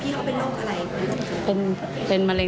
พี่เขามี